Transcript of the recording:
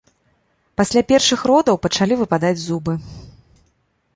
Пасля першых родаў пачалі выпадаць зубы.